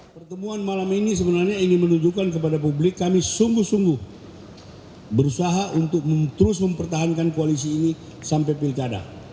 pertemuan malam ini sebenarnya ingin menunjukkan kepada publik kami sungguh sungguh berusaha untuk terus mempertahankan koalisi ini sampai pilkada